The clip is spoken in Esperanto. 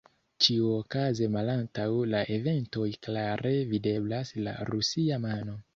Ĉiuokaze malantaŭ la eventoj klare videblas la rusia mano.